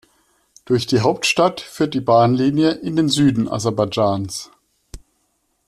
Durch die Hauptstadt führt die Bahnlinie in den Süden Aserbaidschans.